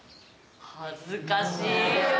恥ずかしい！